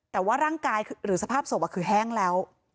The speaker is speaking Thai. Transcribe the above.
แต่ว่าร่างกายหรือสภาพศพคือแห้งแล้ว